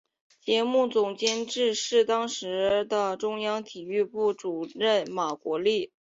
节目总监制是当时的央视体育部主任马国力。